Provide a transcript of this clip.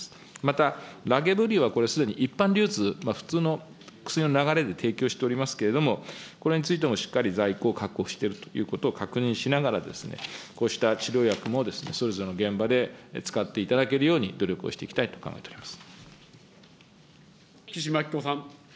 また、ラブゲリオはすでに一般流通、普通の薬の流れで提供しておりますけれども、これについても、しっかり在庫を確保しているということを確認しながらですね、こうした治療薬もそれぞれの現場で使っていただけるように考えて岸真紀子さん。